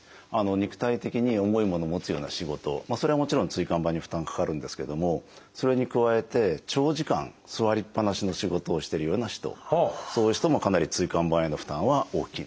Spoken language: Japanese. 肉体的に重いものを持つような仕事それはもちろん椎間板に負担かかるんですけどもそれに加えて長時間座りっぱなしの仕事をしてるような人そういう人もかなり椎間板への負担は大きいですね。